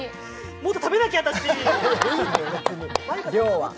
もっと食べなきゃ、私。